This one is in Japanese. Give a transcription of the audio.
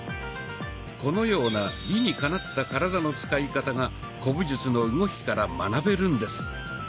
このような理にかなった体の使い方が古武術の動きから学べるんです。